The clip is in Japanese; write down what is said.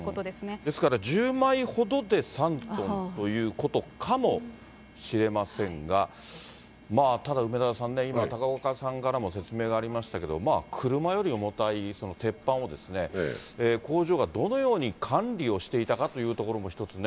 ですから１０枚ほどで３トンということかもしれませんが、まあ、ただ梅沢さんね、今、高岡さんからも説明がありましたけど、車より重たい鉄板を、工場がどのように管理をしていたかというところも一つね。